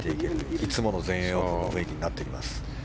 いつもの全英オープンの雰囲気になっていきます。